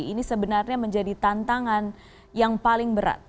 ini sebenarnya menjadi tantangan yang paling berat